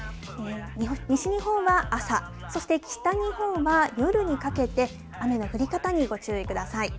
西日本は朝、そして北日本は夜にかけて、雨の降り方にご注意ください。